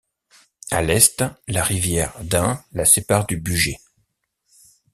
À l'est, la rivière d'Ain la sépare du Bugey.